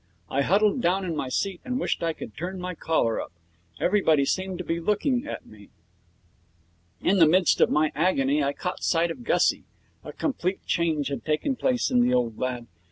I huddled down in my seat and wished I could turn my collar up. Everybody seemed to be looking at me. In the midst of my agony I caught sight of Gussie. A complete change had taken place in the old lad.